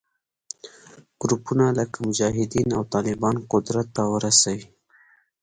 ګروپونه لکه مجاهدین او طالبان قدرت ته ورسوي